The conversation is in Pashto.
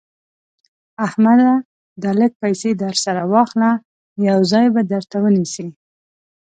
احمده دا لږ پيسې در سره واخله؛ يو ځای به درته ونيسي.